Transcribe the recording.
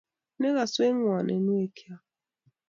Ne kaswech ng'woninwekyok.